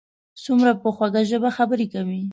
څومره په خوږه ژبه خبرې کوي.